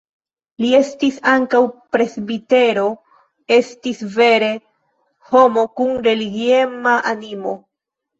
Li estis ankaŭ presbitero, estis vere homo kun religiema animo.